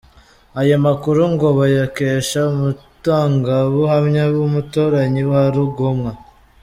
Ayo makuru ngo bayakesha umutangabuhamya w’umuturanyi wa Rugomwa.